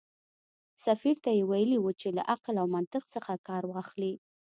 سفیر ته یې ویلي و چې له عقل او منطق څخه کار واخلي.